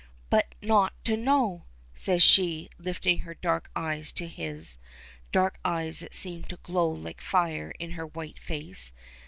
"But not to know!" says she, lifting her dark eyes to his dark eyes that seem to glow like fire in her white face.